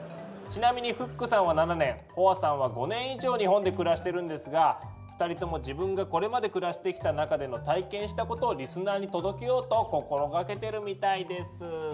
ちなみにフックさんは７年ホアさんは５年以上日本で暮らしてるんですが２人とも自分がこれまで暮らしてきた中での体験したことをリスナーに届けようと心掛けてるみたいです。